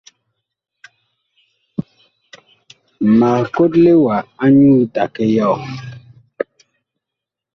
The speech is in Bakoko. Mag kotle wa anyuú take yɔɔ.